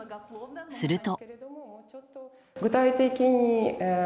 すると。